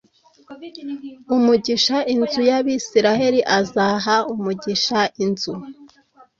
umugisha inzu y Abisirayeli Azaha umugisha inzu